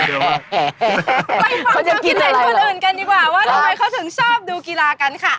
ไปฟังชาวพิเศษคนอื่นกันดีกว่าว่าทำไมเขาถึงชอบดูกีฬากันค่ะ